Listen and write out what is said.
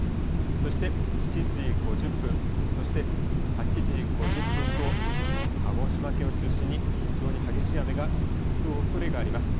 そして７時５０分、そして８時５０分と鹿児島県を中心に非常に激しい雨が続くおそれがあります。